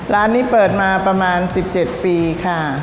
ร้านนี้เปิดมาประมาณ๑๗ปีค่ะ